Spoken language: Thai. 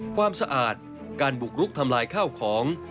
ความสะอาดการบุกรุกทำลายข้าวของ